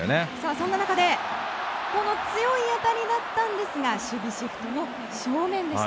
そんな中で強い当たりだったんですが守備シフトの正面でした。